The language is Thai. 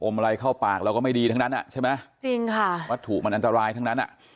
อะไรเข้าปากเราก็ไม่ดีทั้งนั้นอ่ะใช่ไหมจริงค่ะวัตถุมันอันตรายทั้งนั้นอ่ะ